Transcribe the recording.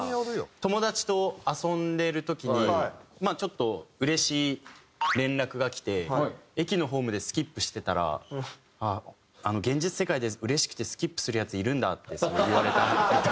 友達と遊んでる時にちょっとうれしい連絡がきて駅のホームでスキップしてたら「現実世界でうれしくてスキップするヤツいるんだ」って言われたみたいな。